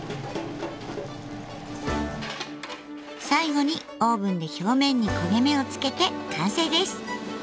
最後にオーブンで表面に焦げ目をつけて完成です！